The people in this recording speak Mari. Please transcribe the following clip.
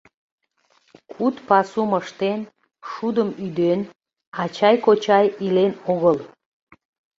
Куд пасум ыштен, шудым ӱден, ачай-кочай илен огыл.